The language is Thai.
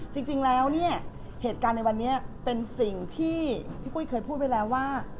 จริงแล้วเนี่ยเหตุการณ์ในวันนี้เป็นสิ่งที่พี่ปุ้ยเคยพูดไว้แล้วว่า